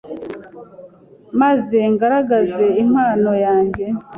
maze ngaragaze impano yange